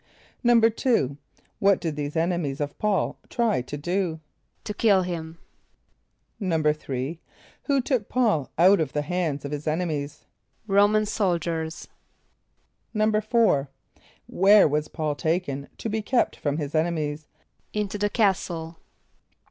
= =2.= What did these enemies of P[a:]ul try to do? =To kill him.= =3.= Who took P[a:]ul out of the hands of his enemies? =R[=o]´man soldiers.= =4.= Where was P[a:]ul taken to be kept from his enemies? =Into the castle.